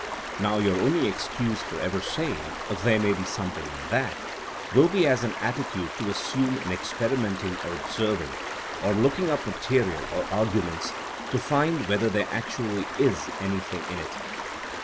'' Now your only excuse for ever saying, '* There may be something in that,*' will be as an attitude to assume in experimenting or ob serving, or looking up material or arguments to find whether there actually is anything in it.